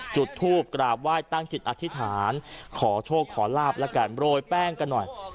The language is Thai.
จุดทูปกราบไหว้ตั้งจิตอธิษฐานขอโชคขอลาบแล้วกันโรยแป้งกันหน่อย